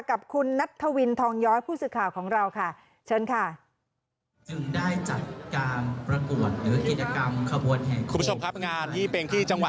กับคุณนัทควินทองย้อยผู้ศึกข่าวของเราค่ะ